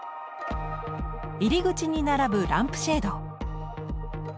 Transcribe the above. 入り口に並ぶランプシェード。